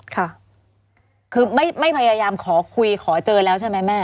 ค่ะคือไม่พยายามขอคุยขอเจอแล้วใช่ไหมแม่